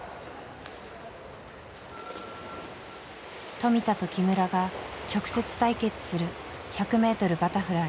富田と木村が直接対決する１００ｍバタフライ。